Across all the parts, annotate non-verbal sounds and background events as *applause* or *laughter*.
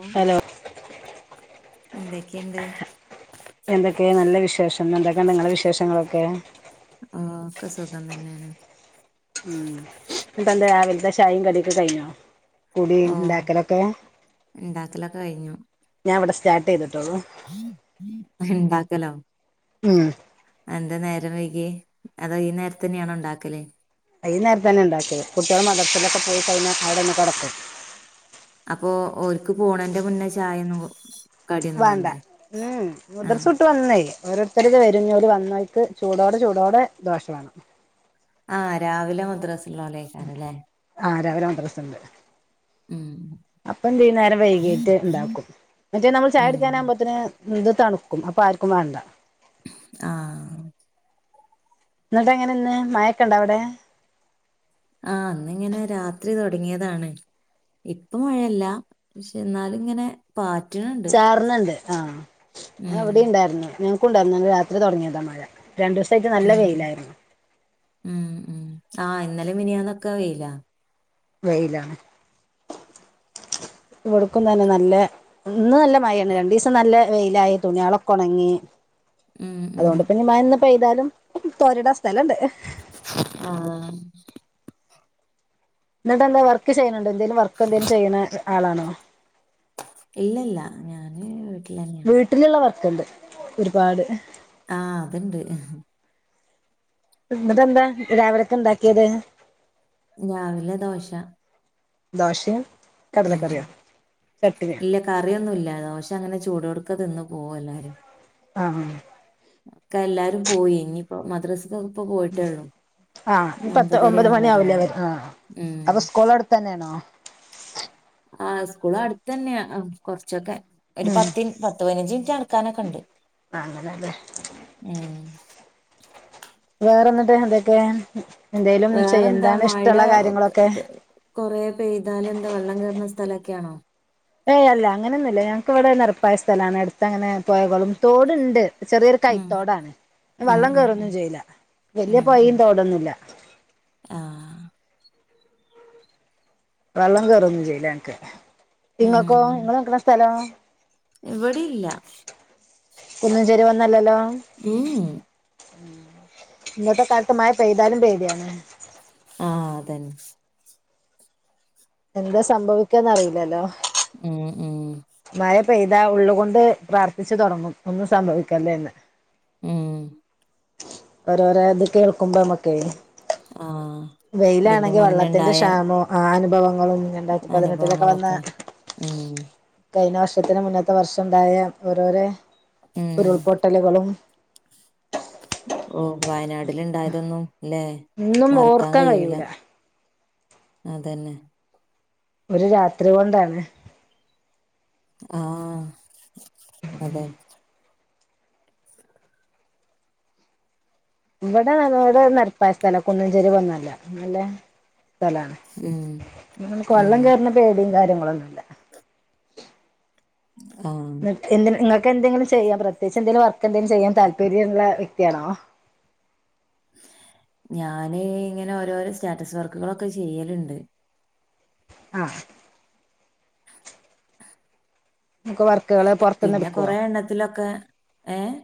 ഉം ഹലോ എന്തെക്ക്യണ്ട്? എന്തൊക്കെ നല്ല വിശേഷം എന്തൊക്കണ്ട് ഇങ്ങളെ വിശേഷങ്ങളൊക്കെ? ആഹ് ഒക്ക സുഖം തന്നേണ്. ഉം. എന്നിട്ടെന്താ രാവിലത്തെ ചായേം കടിയൊക്കെ കഴിഞ്ഞോ? കുടി ഓ ഉണ്ടാക്കലൊക്കെ? ഇണ്ടാക്കലൊക്കെ കഴിഞ്ഞു ഞാൻ ഇവിടെ സ്റ്റാർട്ട് ചെയ്തിട്ടുള്ളൂ. ഇണ്ടാക്കലോ? ഉം. അതെന്താ നേരം വൈകിയേ? അതോ ഈ നേരത്തെന്നയാണോ ഇണ്ടാക്കല്? ഈ നേരത്തന്നെയാ ഇണ്ടാക്കല്. കുട്ടികൾ മദ്റസീലൊക്കെ പോയിക്കയ്ഞ്ഞാ അവിടെ ഒന്ന് കെടക്കും. അപ്പൊ ഓര്ക്ക് പോണേന്റെ മുന്നേ ചായൊന്നും കൊ വാണ്ട. ഉം. ആഹ് മദർസുട്ട് വന്നെയ് ഓരോരുത്തരുടെ വരഞ്ഞൂല് വന്നയ്ക്ക് ചൂടോടെ ചൂടോടെ ദോശ വേണം. ആഹ് രാവിലെ മദ്രസുള്ളോരെയ്ക്കാരല്ലേ? ആഹ് രാവിലെ മദ്രസ്ണ്ട്. ഉം അപ്പൊന്തിയ്യും നേരം വൈകീട്ട് ഇണ്ടാക്കും. മറ്റേ നമ്മൾ ഉം ചായുടിക്കാനാകുമ്പോത്തിന് ഇത് തണുക്കും അപ്പൊ ആർക്കും വാണ്ട. ആഹ്. എന്നിട്ടെങ്ങനെ ഇന്ന്, മഴക്കണ്ടോ അവിടെ? ആഹ് ഇന്നിങ്ങനെ രാത്രി തുടങ്ങിയതാണ്. ഇപ്പ മഴയില്ല. പക്ഷെ എന്നാലും ഇങ്ങനെ പാറ്റണ് ചാറ്ന്ന്ണ്ട് ആഹ്. ഉം അതിവിടീം ഇണ്ടായിരുന്നു. ഞാ ക്കുണ്ടാർന്നു ഇന്നലെ രാത്രി തൊടങ്ങിയതാ മഴ. രണ്ടുസ് ഉം. ഉം ഉം. ആഹ് ഇന്നലെയും മിനിയാന്നൊക്കെ വെയിലാ. വെയിലാ. ഇവ്ട്ക്കും തന്നെ നല്ല ഇന്ന് നല്ല മഴയാണ്. രണ്ടീസം നല്ല വെയിലായി തുണിയേളൊക്കൊണങ്ങി. ഉം ഉം അതുകൊണ്ട്പ്പ ഇനി മഴന്ന് പെയ്താലും തോരിടാൻ സ്ഥലണ്ട്. ആഹ്. എന്നിട്ടെന്താ വർക്ക് ചെയ്യണണ്ടോ? എന്തേലും വർക്ക് എന്തേലും ചെയ്യണ ആളാണോ? ഇല്ലല്ല. ഞാന് വീട്ടിലന്നെയാണ്. ട്ടില്ള്ള വർക്ക്ണ്ട് ഒരുപാട്. ആഹ് അത്ണ്ട്. ഇന്ന്ട്ടെന്താ രാവിലക്ക് ഇണ്ടാക്കീത്? രാവിലെ ദോശ. ദോശയാ? ഉം. ഇല്ല കറിയൊന്നുല്ല. ദോശങ്ങനെ ചൂടോട്ക്കെ തിന്ന് പോവു എല്ലാരും. ആഹ് ആഹ്. ഒക്കെ എല്ലാരും പോയി. ഇനിയിപ്പോ മദ്രസ്ക്കൊക്കെ ഇപ്പോ പോയിട്ടേള്ളൂ. ആഹ് ഇനി പത്ത് ഒമ്പത് മണി ആവില്ലേ വരാൻ. ഉം അപ്പൊ സ്കൂളടുത്തന്നെയാണോ? ആഹ് സ്കൂളടുത്തന്നെയാ, കൊറച്ചൊക്കെ. ഒരു ഉം പത്തിൻ പത്ത് പതിനഞ്ച് മിനിറ്റ് നടക്കാനൊക്കെണ്ട്. അങ്ങനല്ലേ. ഉം. വേറെ എന്നിട്ട് എന്തൊക്കെ. എന്തേലും ചെയ്യ, വേറെന്താ എന്താണ് മഴ ഇഷ്ടോള്ള ഒക്കെ കാര്യങ്ങളൊക്കെ? പെ- കൊറേ പെയ്താല് എന്താ വെള്ളം കേറണ സ്ഥലൊക്കെയാണോ? ഏയ് അല്ല. അങ്ങനൊന്നുല്ല. ഞങ്ങക്കിവിടെ നെരപ്പായ സ്ഥലാണ്. അടുത്തങ്ങനെ പൊയകളും, തോടുണ്ട്. ചെറിയൊരു ഉം കൈത്തോടാണ്. ഉം വെള്ളം ഉം ഉം കേറൊന്നും ചെയ്യില്ല. വലിയ ഉം ഉം പൊയയും തോടൊന്നും ഇല്ല. ആഹ് വെള്ളം കേറൊന്നും ചെയ്യില്ല ഞങ്ങക്ക്. നിങ്ങക്കോ നിങ്ങള് നിക്കണ സ്ഥലോ? ഇവിടെ ഇല്ല കുന്നിൻ ചെരിവൊന്നും അല്ലല്ലോ മ്ഹ് ഉം ഇന്നത്തെ കാലത്ത് മയ പെയ്താലും പേടിയാണ് ആഹ് അതന്നെ എന്താ സംഭവിക്കാന്നറിയില്ലല്ലോ ഉം ഉം മഴ പെയ്താ ഉള്ളുകൊണ്ട് പ്രാർത്ഥിച്ചു തുടങ്ങും ഒന്നും സംഭവിക്കല്ലേ എന്ന് ഉം ഒരോരോ ഇത് കേൾക്കുമ്പോ അമ്മക്കെ ആഹ് ഇതിന്റെ വെയിലാണെങ്കി വെള്ളത്തിന്റെ മുന്നെണ്ടായ ക്ഷാമോം ആ അനുഭവങ്ങളും രണ്ടായിരത്തി പതിനെട്ടിലൊക്കെ വന്ന അനുഭവങ്ങളൊക്കെ ഉം കഴിഞ്ഞ വർഷത്തിന് മുന്നത്തെ വർഷം ഉണ്ടായ ഓരോരേ ഉം ഉരുൾപൊട്ടലുകളും ഓഹ് വയനാടില് ഇണ്ടായതൊന്നും ല്ലേ ഒന്നും മറക്കാൻ ഓർക്കാൻ കയ്യൂല കഴിയൂല അതന്നെ ഒരു രാത്രി കൊണ്ടാണ് ആഹ് അതെ ഇവിടെ ഇവിടെ നെരപ്പായ സ്ഥലാ കുന്നുഞ്ചേരിവൊന്നുമല്ല നല്ല സ്ഥലാണ് ഉം *unintelligible* ഉം വെള്ളം കേറണ പേടിം കാര്യങ്ങളൊന്നും ഇല്ല ആഹ് എന്ത്‌ന് നിങ്ങക്ക് എന്തെങ്കിലും ചെയ്യാം പ്രത്യേകിച്ച് എന്തേലും വർക്ക് എന്തേലും ചെയ്യാൻ താല്പര്യള്ള വ്യക്തിയാണോ ഞാന് ഇങ്ങനെ ഓരോരോ സ്റ്റാറ്റസ് വർക്കുകളൊക്കെ ചെയ്യല്ണ്ട് ആഹ് നമുക്ക് വർക്കുകള് പുറത്തുന്ന് പിന്നെ എടുക്കുവോ കൊറെ എണ്ണത്തിലൊക്കെ ഏഹ്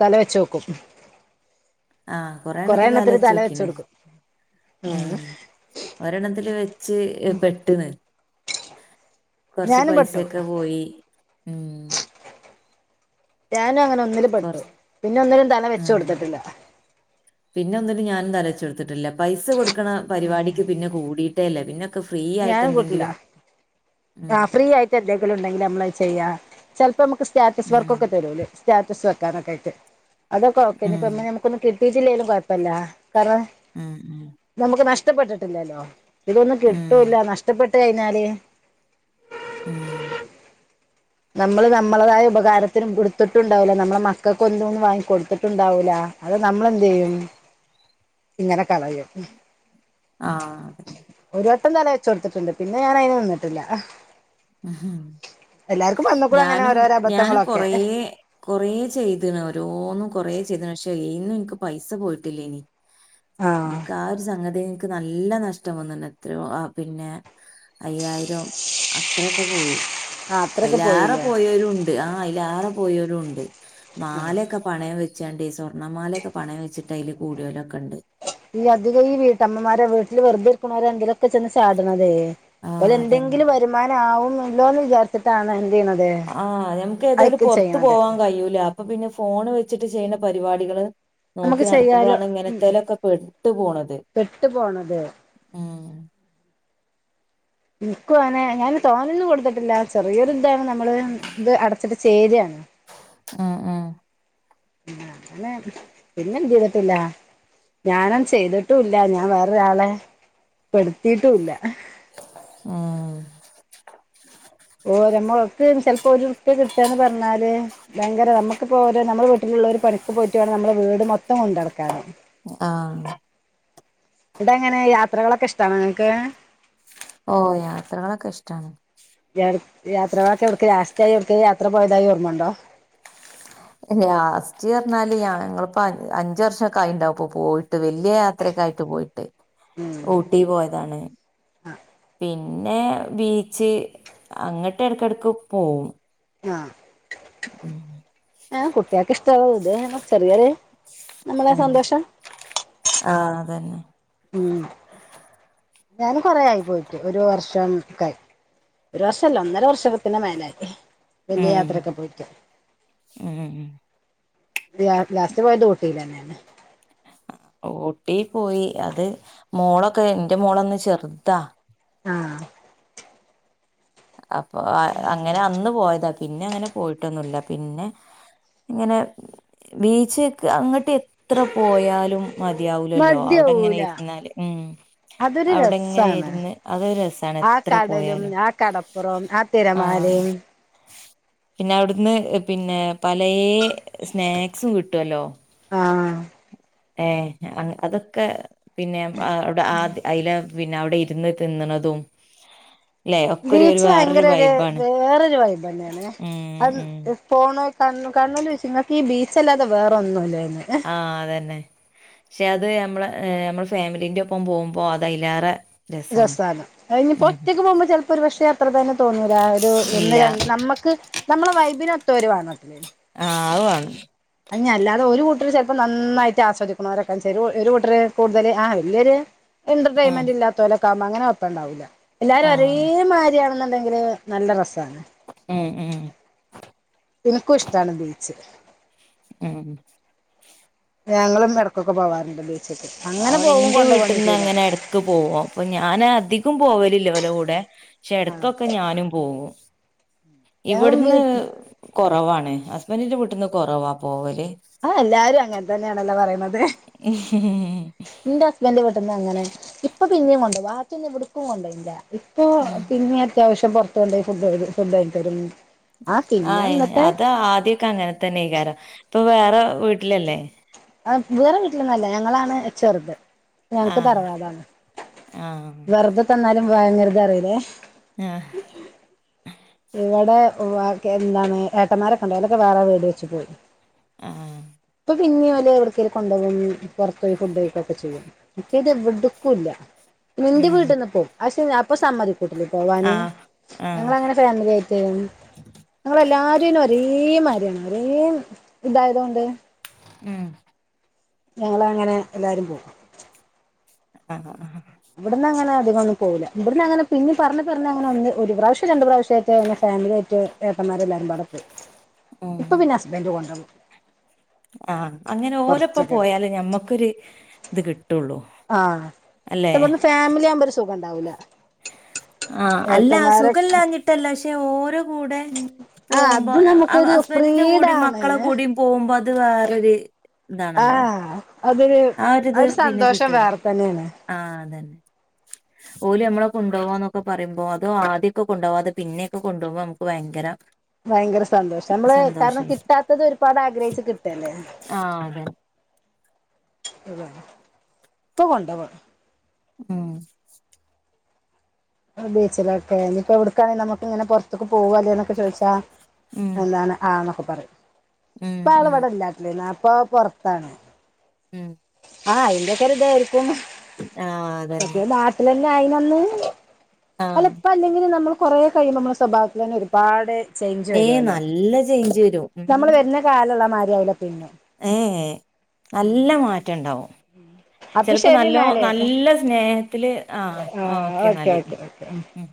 തല വെച്ച് നോക്കും ആഹ് കൊറെ കൊറേണ്ണത്തില് തല എണ്ണത്തില് വെച്ച് നോക്കീന് കൊടുക്കും ഉം ഒരെണ്ണത്തില് വെച്ച് പെട്ട്ണ് കൊറച്ച് ഞാനും പെട്ടു പൈസേക്ക പോയി ഉം ഞാനും അങ്ങനെ ഒന്നില് കൊറ പെട്ടു പിന്നെ ഒന്നിലും തല വെച്ച് ആഹ് കൊടുത്തിട്ടില്ല പിന്നെ ഒന്നിലും ഞാനും തല വെച്ച് കൊടു ത്തിട്ടില്ല പൈസ കൊടുക്കണ പരിപാടിക്ക് പിന്നെ കൂടിയിട്ടേല്ല പിന്നൊക്ക ഫ്രീ ആയിട്ട് ഞാനും കൂട്ടില്ല എന്തെങ്കിലും ഉം ആഹ് ഫ്രീ ആയിട്ട് എന്തെങ്കിലും ഉണ്ടെങ്കില് നമ്മളത് ചെയ്യാ ചെലപ്പോ നമുക്ക് സ്റ്റാറ്റസ് ഉം വർക്ക് ഒക്കെ തരുലേ സ്റ്റാറ്റസ് വെക്കാനൊക്കെ ആയിട്ട് അതൊക്കെ ഓക്കെ ഉം ഇനിപ്പം ഇമ്മ ഞമ്മ ക്കൊന്നും കിട്ടീട്ടില്ലേലും കൊഴപ്പല്ല കാരണം ഉം ഉം നമുക്ക് നഷ്ടപ്പെട്ടിട്ടില്ലല്ലോ ഇതൊന്നും ഉം കിട്ടൂല്ല നഷ്ടപ്പെട്ട് കഴിഞ്ഞാല് മ്ഹ് നമ്മള് നമ്മളേതായ ഉപകാരത്തിന് എടുത്തിട്ടുണ്ടാവൂല നമ്മളെ മക്കക്ക് എന്ത് ഒന്നും വാങ്ങി കൊടുത്തിട്ടുണ്ടാവൂല അത് നമ്മളെന്ത് ചെയ്യും ഇങ്ങനെ കളയും ആഹ് ഒരു വട്ടം തല വെച്ച് കൊടുത്തിട്ടുണ്ട് പിന്ന ഞാനതിന് നിന്നിട്ടില്ല അഹ് വന്നക്കൂടെ അങ്ങനെ ഞാനും ഓരോരോ ഞാനും അബദ്ധങ്ങളൊക്കെ കൊറേ കൊറേ ചെയ്ത്ണ് ഓരോന്നും കൊറേ ചെയ്ത്ണ് പക്ഷെ എതിന്നും എനിക്ക് പൈസ പോയ്ട്ടില്ലേനി ആഹ് എന്ക്ക ആ ഒര് സംഗതിയെ എനിക്ക് നല്ല നഷ്ടം വന്നണ് എത്രയോ ആ പിന്നെ അയ്യായിരോ അത്രെക്ക പോയി ആഹ് അത്രൊക്കെ അയ്ലെറ പോയില്ലേ പോയോരുണ്ട് ആഹ് അയ്ലാറ പോയോരു ഉണ്ട് ആഹ് മാലെക്ക പണയ വെച്ചാണ്ട് സ്വർണമാലെക്ക പണയം വെച്ചിട്ട് അയ്ല് കൂടിയൊരക്കണ്ട് ഈ അധിക ഈ വീട്ടമ്മമാര വീട്ടിൽ വെറുതെ ഇരിക്ക്‌ണൊര എങ്കിലെക്ക ചെന്ന് ചാട്ണതേ ആ അതന്നെ ഒരെന്തെങ്കിലും വരുമാനാവുമല്ലോന്ന് വിചാരിച്ച്‌ട്ടാണ് എന്ത് ചെയ്ണ ആഹ് ഞമ്ക്ക് ഏതാല് പൊറത്തു പോവാം കയൂല അപ്പ പിന്ന ഫോണ് വെച്ച്ട്ട് ചെയ്ണ പരിപാടികള് നോക്കി നമുക്ക് ചെയ്യാലോ നടക്കുമ്പളാണ് ഉം ഇങ്ങനത്തെലക്ക പെട്ടു പോണത് പെട്ടു പോണത് ഉം ഇൻക്കു അങ്നെ ഞാൻ തോനെന്നും കൊട്ത്തട്ടില്ല ചെറിയൊര്ദ്ദാണ് നമ്മള് ഇത് അടച്ച്ട്ട് ചേരാണ് ആഹ് ആഹ് ആഹ് അങ്ങനെ പിന്നെന്തെയ്തട്ടില്ല ഞാനന്ന് ചെയ്തട്ടൂല്ല ഞാ വേറൊരാളെ പെട്ത്തീട്ടുല്ല അഹ് ഓര അമ്മ്ൾ ക്ക്‌ ചെലപ്പോ ഒരു റുപ്യ കിട്ടൊന്ന് പറഞ്ഞാല് ഭയങ്കര അമ്മക്കിപ്പോ ഓരൊ നമ്മള വീട്ടിലുള്ളവര് പണിക്ക് പോയ്ട്ട് വേണം നമ്മള വീട് മൊത്തം കൊണ്ടടക്കാൻ ആഹ് ഇതെങ്ങനെ യാത്രകളൊക്ക ഇഷ്ടാണോ നിങ്ങക്ക് ഓഹ് യാത്രകളെക്ക ഇഷ്ടാണ് യാട് യാത്രകളക്ക എവ്ട്ക്ക് ലാസ്റ്റായി എവിട്ക്കെല് യാത്ര പോയതായി ഓർമ്മ ഒണ്ടോ ലാസ്റ്റ് അർഞ്ഞാല് ഞ ഞങ്ങളിപ്പ അഞ് അഞ്ച് വർഷക്ക ആയ്ണ്ടാവും ഇപ്പൊ പോയ് ട്ട് വെല്ലിയ യാത്രക്കായ്ട്ട് പോയ്ട്ട് ഉം ഊട്ടി പോയതാണ് പിന്നെ ബീച്ച് അങ്ങട്ട് എടക്കടക്ക് പോവും ങാഹ് അങ്ങനെയാണ് കുട്ട്യാൾക്ക് ഇഷ്ടാവോ ഇത് പറഞ്ഞ ചെറിയൊര് ഓഹ് ആഹ് അതന്നെ ഉം ഞാനും കൊറെ ആയ് പോയ്ട്ട് ഒരു വർഷംക്കായ് ഒരു വർഷല്ല ഒന്നര വർഷ ത്തിന് മേലായ് വല്ല്യ ഉം യാത്രെക്ക പോയ്ട്ക്കാം ഉം ഉം *unintelligible* ലാസ്റ്റ് പോയത് ഊട്ടിലാണ് ഞാന് ഊട്ടി പോയി അത് മോളൊക്കെ എന്റ മോളന്ന് ചെറുദ്ദാ ആഹ് അപ്പൊ അ അങ്ങന അന്ന് പോയതാ പിന്ന അങ്ങന പോയ്ട്ടൊന്നുല്ല പിന്നെ ഇങ്ങനെ ബീച്ച്ക് അങ്ങ്ട്ട് എ എത്ര പോയാലും മതിയാവുലല്ലോ അവ്ടെങ്ങനെ മതിയാവൂല ഇരുന്നാല് ഉ അതൊരു അവ്ടങ്ങനെ രസാണ് ഇരുന്ന് അതൊര് രസാണ് എത്ര പോയാലും കടപ്പുറൊം ആ തെരമാലയും പിന്ന അവ്ട്ന്ന് പിന്നെ പലേ സ്നാക്സും കിട്ട്ല്ലോ ആഹ് ഏഹ് ഞ അങ്ങ് അതൊക്ക പിന്നെ അ അവ്ട ആദി അയ്ല പിന്നെ അവ്ടെ ഇരുന്ന് തിന്നണതും ല്ലെ ഒക്കെ ഒരു ഒരു ബീച്ച് വേറൊരു ഭയങ്കര ഒര് വൈബാണ് വേറൊരു വൈബ് അന്നാണേ ഉം അന്ന് ഉം ഇഹ് പോണയ് കണ്ണു കണ്ണൂലെയ്ച്ച് ഇങ്ങക്കീ ബീച്ചല്ലാതെ വേറൊന്നുല്ലേന്ന് ആഹ് അതന്നെ ക്ഷെ അത് അമ്ള് അ അമ്മള് ഫാമിലിന്റ ഒപ്പം പോമ്പോ അതഅയ്ല്ലെറെ രസാണ് അത്ഞ്പ്പോ ഒറ്റക്ക് പോകുമ്പോ ചിലപ്പോ ഒരു പക്ഷേ അത്ര തന്നെ തോന്നൂല ഒരു ഒന്ന് ഇല്ല രണ്ട് നമ്മക്ക് നമ്മള വൈബിനൊത്തവരു വേണ ആ അത്വാണം അത്ഞ് അല്ലാതെ ഒരു കൂട്ടർ ചിലപ്പോം നന്നായിട്ട് ആസ്വദിക്കണവരൊക്കെ ചെ ഒരു കൂട്ടര് കൂടുതൽ ആ വല്യൊരു ഉം എന്റർടൈയിൻമെന്റ് ഇല്ലാത്തരൊക്കെ ആവുമ്പോ അങ്ങനെ ഒപ്പം ഉണ്ടാവില്ല എല്ലാരും ഒരേ ആഹ് മാതിരിയാണെന്നുണ്ടെങ്കില് നല്ല രസമാണ് എഹ് എഹ് എനിക്കും ഇഷ്ടമാണ് ബീച്ച് ഉം ഞങ്ങളും ഇടക്കൊക്കെ പോകറുണ്ട് ബീച്ചക്ക് അങ്ങനെ പോകും കൊണ്ട പോക ചെയ്ത ക്ക് പോകും അപ്പൊ ഞാൻ അധികം പോകലില്ല ഓലെ കൂടെ പക്ഷെ ആ ഇടക്കൊക്കെ ഞാനും പോവും ഞങ്ങളും വീ ഇവിടുന്ന് കുറവാണ് ഹസ്ബൻഡിന്റെ വീട്ടിൽന്ന് കുറവാ പോവല് അത് എല്ലാരും അങ്ങനെ തന്നെയണല്ലോ പറയുന്നത് ന്റെഹസ്ബൻ ന്റ്ന്ന് അങ്ങനെ ഇപ്പൊ പിന്നെയും കൊണ്ടോവും ബാക്കിയൊന്നും എവിടുക്കും കൊണ്ടോ ഇല്ല ഇപ്പ ഉം പിന്നെ അത്യാവശ്യ ത്തിന് പൊറത്ത്ണ്ടോയി ഫുഡ്‌ ഫുഡ് ങ്ങിതരും ആഹ് ഏ അത് ആദ്യൊക്കെ അങ്ങനെ തന്നെകാരം ഇപ്പൊ വേറെ വീട്ടിലല്ലേ അ വേറെ വീട്ടിലൊന്നല്ല ഞങ്ങളാണ് ചേർത് ഞങ്ങക്ക് ആഹ് തറവാടാണ് ആഹ് വെറുതെ തന്നാലും ഭയങ്കരത് അറിയില്ലേ ആഹ് ഇവടെ വാക്കേ എന്താണ് ഏട്ടന്മാരൊക്കെണ്ടലൊക്കെ വേറെ വീട് വെച്ചു പോയി ആഹ് ഇപ്പൊ പിന്നെ ഓല് എവിടക്കേൽ കൊണ്ടു പോയി ഫുഡ്ക്കൊക്കെ ചെയ്യും എത് എവിടുക്കുല്ല നന്റെ ഉം വീട്ടിൽന്ന് പോവും പക്ഷെ അപ്പൊ സമ്മതിക്കൂല പോവാന് ആഹ് ആഹ് ഞങ്ങളനെ ഫാമിലിആയിട്ട് ങ്ങളെല്ലാരുംനും ഒരേ മാര്യാണ് ഒരേ ഇതായതൊണ്ട് എഹ് ഞങ്ങള അങ്ങനെ എല്ലാരും പോകും ആ ആ ആ ഇവിടുന്ന് അങ്ങനെ അധികൊന്നും പോവുല്ല ഇവിടുന്ന് അങ്ങനെ പിന്നെ അങ്ങനെ ഒ ഒരു പ്രാവശ്യം രണ്ട് പ്രാവശ്യമായിട്ട്ങ്ങെ ഫാമിലിയായിട്ട് ഏട്ടന്മാരെല്ലാരും ബാടെ പോവും ഉം ഇപ്പൊ പിന്നെ ഹസ്ബൻഡ് കൊണ്ടുവും ആഹ് അങ്ങനെ ഓരോപ്പം പോയാലേ ഞമ്മക്കൊരു ഇത് കിട്ടുള്ളൂ ആഹ് ക്ഷെ അല്ലെ ഇവട്ന്ന് ഫാമിലി ആവുമ്പോ ഒരു സുഖം ഉണ്ടാവൂല ആഹ് അല്ല ഏട്ടന്മാരെ സുഖല്ല അഞ്ഞിട്ടല്ല പക്ഷെ ഓരോ കൂടെ ആ പോകുമ്പോ അത് നമുക്കൊരു ഹസ്ബന്റ്ന്റെ കൂടിം ഫ്രീഡാണ് മക്കളെ കൂടിം പോകുമ്പോ അത് വേറൊരു ഇതാണല്ലോ ആഹ് അതൊരു ആ ഒരിത് അതൊര് പിന്നെ സന്തോഷം കിട്ടൂല വേറെ തന്നെയാണ് ആഹ് അതന്നെ ഓല് നമ്മള കൊഡോവാ എന്നൊക്കെ പറയ്പോ അതോ ആദ്യൊക്കെ കൊണ്ടകവാ അത് പിന്നെയൊക്കെ കൊണ്ടുകുമ്പോ നമുക്ക് ഭയങ്കര ഭയങ്കര സന്തോഷം നമ്മള് കാരണം സന്തോഷായി കിട്ടാത്തത് ഒരുപാട് ആഗ്രഹിച്ചു കിട്ടല്ലേ ആഹ് അതെ ഇപ്പൊ കൊണ്ടോവും ഉം ബീച്ചിലൊക്കെ ഇപ്പൊ എവിടുക്കാണെങ്കിൽ നമുക്ക് ഇങ്ങനെ പുറത്തേക്ക് പോവല്ലേ എന്നൊക്കെ ചോദിച്ചാ ഉം എന്താണ് ആ എന്നൊക്കെ പറയും ഉം ഇപ്പ ആള് ഉം ഇവിടെ ഇല്ലാ നാട്ടില് ഇപ്പൊ പുറത്താണ് ഉം ആഹ് അയിന്റൊക്കെ ഒരു ഇതായിരിക്കും ആഹ് അതന്നെ മറ്റേ നാട്ടിലന്നെ ആയീനന്ന് അല്ല ആഹ് ഇപ്പ അല്ലെങ്കിലും നമ്മൾ കൊറേ കഴിയുമ്പോ നമ്മുടെ സ്വഭാവത്തിൽ തന്നെ ഒരുപാട് ചേഞ്ച് ഏയ് വരുവല്ലോ നല്ല ചേഞ്ച് വരും നമ്മള് വരുന്ന കാലള്ള മാതിരിയാവില്ല പിന്നെ ഏ ഹേ നല്ല മാറ്റം ഉണ്ടാവും അപ്പൊ ചെലപ്പോ ശരി നല്ലോ എന്നാല് നല്ല സ്നേഹത്തില് ആ ഓക്കെ എന്നാല് ഉം